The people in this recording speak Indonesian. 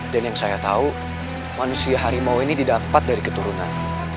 dan yang saya tau manusia harimau ini didapat dari keturunan